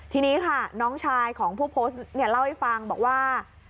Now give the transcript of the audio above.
ทีนี้ค่ะน้องชายของผู้โพสต์เนี่ยเล่าให้ฟังบอกว่า